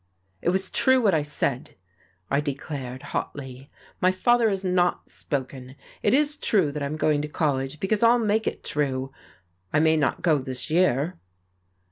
"It was true, what I said," I declared hotly. "My father has not spoken. It is true that I'm going to college, because I'll make it true. I may not go this year."